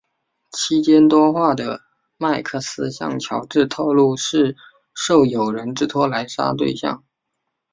期间多话的麦克斯向乔治透露是受友人之托来杀对象。